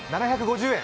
７５０円？